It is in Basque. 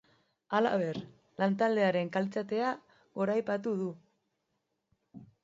Halaber, lantaldearen kalitatea goraipatu du.